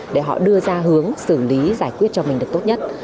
để họ đưa ra hướng xử lý giải quyết cho mình được tốt nhất